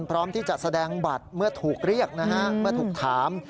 พร้อมที่จะแสดงบัตรเมื่อถูกเรียกนะฮะเมื่อถูกถาม